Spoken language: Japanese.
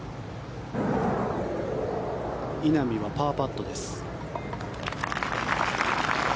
稲見はパーパットです。